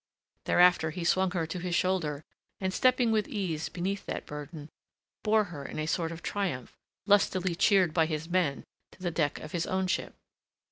Thereafter he swung her to his shoulder, and stepping with ease beneath that burden, bore her in a sort of triumph, lustily cheered by his men, to the deck of his own ship.